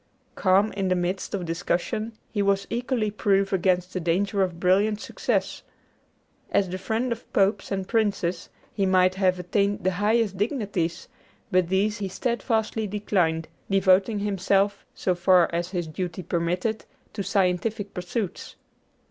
Calm in the midst of discussion, he was equally proof against the danger of brilliant success. As the friend of popes and princes, he might have attained the highest dignities; but these he steadfastly declined, devoting himself, so far as his duty permitted, to scientific pursuits.